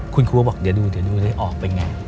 คุณครูก็บอกเดี๋ยวดูออกไปไง